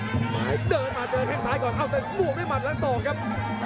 เขาทุกถูกอยู่ทางซ้ายนะครับ